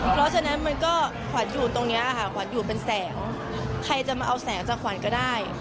เพราะฉะนั้นมันก็ขวัญอยู่ตรงนี้ค่ะขวัญอยู่เป็นแสงใครจะมาเอาแสงจากขวัญก็ได้